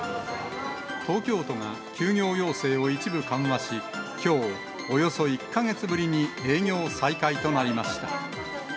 東京都が休業要請を一部緩和し、きょう、およそ１か月ぶりに営業再開となりました。